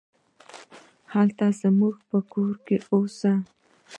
همالته زموږ په کور کې اوسه.